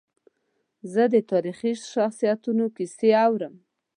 زه د تاریخي شخصیتونو کیسې اورم.